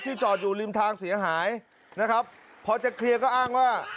จอดอยู่ริมทางเสียหายนะครับพอจะเคลียร์ก็อ้างว่า